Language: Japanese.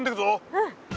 うん。